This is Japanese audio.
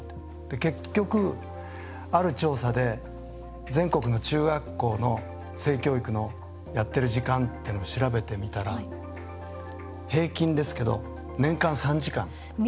結局、ある調査で全国の中学校の性教育のやっている時間というのを調べてみたら平均ですけど年間３時間。